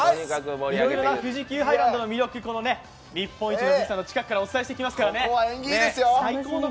いろいろな富士急ハイランドの魅力、日本一の富士山の近くからお伝えしていきますから。